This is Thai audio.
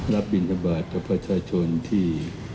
รับบิณฑบาทของประชาชนที่